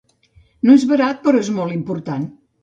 No és barat, però és molt important.